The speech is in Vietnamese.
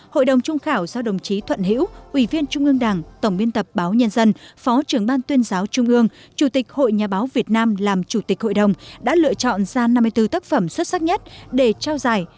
hội đồng trung khảo do đồng chí thuận hiễu ủy viên trung ương đảng tổng biên tập báo nhân dân phó trưởng ban tuyên giáo trung ương chủ tịch hội nhà báo việt nam làm chủ tịch hội đồng đã lựa chọn ra năm mươi bốn tác phẩm xuất sắc nhất để trao giải